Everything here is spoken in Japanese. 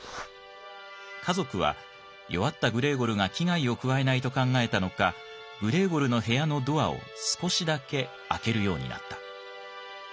家族は弱ったグレーゴルが危害を加えないと考えたのかグレーゴルの部屋のドアを少しだけ開けるようになった。